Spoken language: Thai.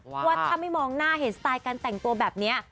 ว่าถ้าไม่มองหน้าเห็นสไตล์การแต่งตัวแบบนี้